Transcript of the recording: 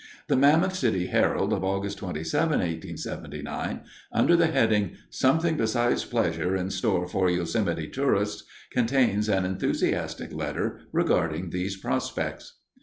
The Mammoth City Herald of August 27, 1879, under the heading, "Something Besides Pleasure in Store for Yosemite Tourists," contains an enthusiastic letter regarding these prospects.